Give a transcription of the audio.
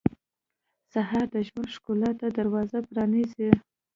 سهار د ژوند ښکلا ته دروازه پرانیزي.